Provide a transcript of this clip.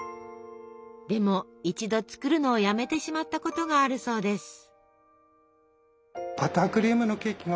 でも一度作るのをやめてしまったことがあるそうです。